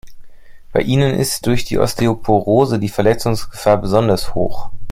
Bei ihnen ist durch die Osteoporose die Verletzungsgefahr besonders hoch.